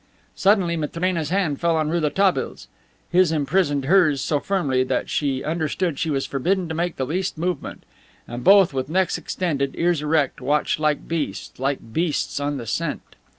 Suddenly Matrena's hand fell on Rouletabille's. His imprisoned hers so firmly that she understood she was forbidden to make the least movement. And both, with necks extended, ears erect, watched like beasts, like beasts on the scent.